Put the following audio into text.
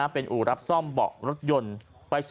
เป็นอู่รับซ่อมเบาะรถยนต์